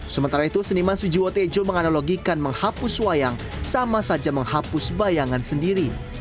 sementara itu seniman sujiwo tejo menganalogikan menghapus wayang sama saja menghapus bayangan sendiri